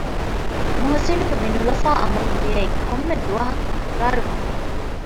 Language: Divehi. މުހްސިނުގެ މިނުލަފާ އަމަލު ދިޔައީ ކޮންމެ ދުވަހަކު ތަކުރާރު ވަމުން